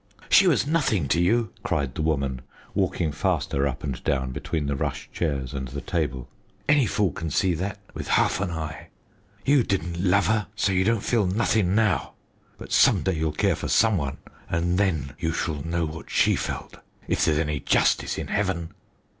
"She was nothing to you!" cried the woman, walking faster up and down between the rush chairs and the table; "any fool can see that with half an eye. You didn't love her, so you don't feel nothin' now; but some day you'll care for some one, and then you shall know what she felt if there's any justice in heaven!"